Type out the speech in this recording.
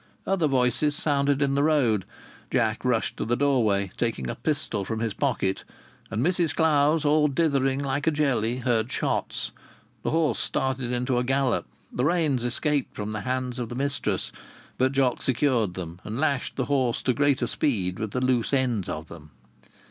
Other voices sounded in the road. Jock rushed to the doorway, taking a pistol from his pocket. And Mrs Clowes, all dithering like a jelly, heard shots. The horse started into a gallop. The reins escaped from the hands of the mistress, but Jock secured them, and lashed the horse to greater speed with the loose ends of them.